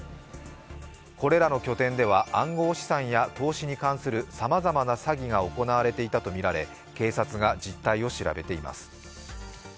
これらの拠点では暗号資産や投資に関するさまざまな詐欺が行われていたとみられ警察が実態を調べています。